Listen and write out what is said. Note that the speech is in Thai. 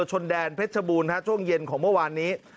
ชนแดนเพชรบูรณ์ช่วงเย็นของเมื่อวานนี้